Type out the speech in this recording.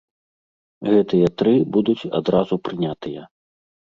Гэтыя тры будуць адразу прынятыя.